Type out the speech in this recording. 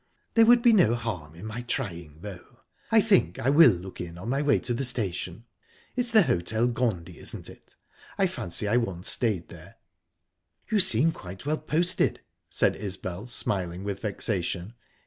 "There would be no harm in my trying, though. I think I will look in on my way to the station. It's the Hotel Gondy, isn't it? I fancy I once stayed there." "You seem quite well posted," said Isbel, smiling with vexation.